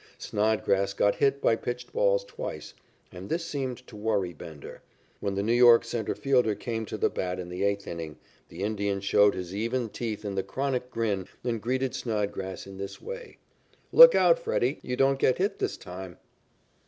Snodgrass got hit by pitched balls twice, and this seemed to worry Bender. When the New York centre fielder came to the bat in the eighth inning, the Indian showed his even teeth in the chronic grin and greeted Snodgrass in this way: "Look out, Freddie, you don't get hit this time."